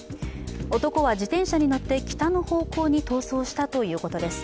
男は自転車に乗って北の方向に逃走したということです。